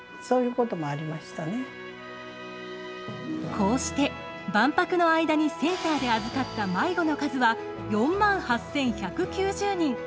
こうして、万博の間にセンターで預かった迷子の数は４万８１９０人。